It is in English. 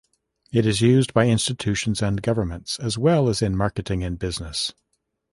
It is used by institutions and governments, as well as in marketing and business.